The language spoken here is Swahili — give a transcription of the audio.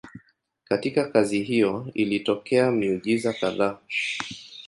Katika kazi hiyo ilitokea miujiza kadhaa.